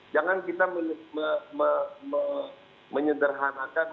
jangan kita menyederhanakan